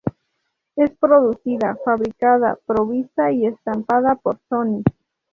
Es producida, fabricada, provista y estampada por Sony..